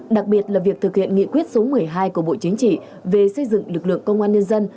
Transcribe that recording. đặc biệt là việc thực hiện nghị quyết số một mươi hai của bộ chính trị về xây dựng lực lượng công an nhân dân